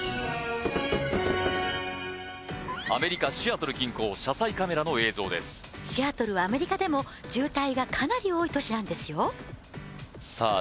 アメリカ・シアトル近郊車載カメラの映像ですシアトルはアメリカでも渋滞がかなり多い都市なんですよさあ